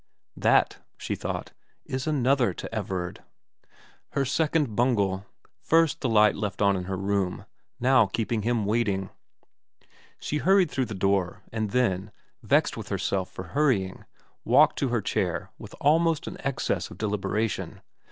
' That,' she thought, * is another to Everard,' her second bungle ; first the light left on in her room, now keeping him waiting. She hurried through the door, and then, vexed with herself for hurrying, walked to her chair with almost an excess of deliberation.